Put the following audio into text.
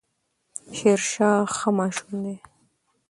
شيرشاه ښه ماشوم دی